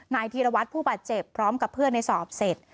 ธีรวัตรผู้บาดเจ็บพร้อมกับเพื่อนในสอบเสร็จ